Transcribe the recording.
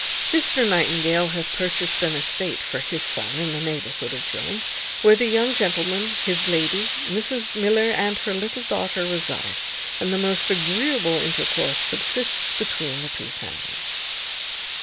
Mr Nightingale hath purchased an estate for his son in the neighbourhood of Jones, where the young gentleman, his lady, Mrs Miller, and her little daughter reside, and the most agreeable intercourse subsists between the two families.